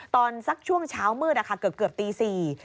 ตอนสักช่วงเช้ามืดเกือบตี๔